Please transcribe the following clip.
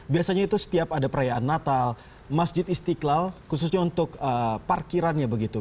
biasanya itu setiap ada perayaan natal masjid istiqlal khususnya untuk parkirannya begitu